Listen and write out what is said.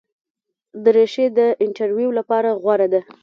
دریشي د انټرویو لپاره غوره ده.